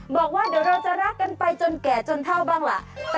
บอกว่าเดี๋ยวเราจะรักกันไปจนแก่จนเท่าบ้างล่ะ